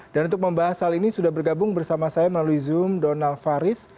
dan untuk membahas hal ini sudah bergabung bersama saya melalui zoom donald faris